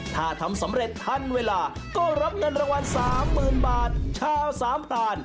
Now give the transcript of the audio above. ถ้าทำสำเร็จทันเวลาก็รับเงินรางวัล๓๐๐๐บาทชาวสามตาล